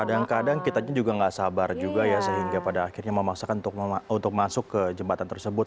kadang kadang kita juga nggak sabar juga ya sehingga pada akhirnya memaksakan untuk masuk ke jembatan tersebut